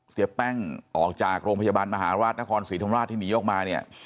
เสียแป้งออกจากโรงพยาบาลมหาราชนครศรีธรรมราชที่หนีออกมาเนี่ย